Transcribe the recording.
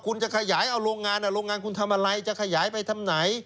คุณจะขยายเอาโรงงานโรงงานคุณทำอะไรจะขยายไปทำไหน